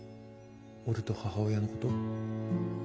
俺と母親のこと？